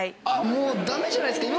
もうダメじゃないですか。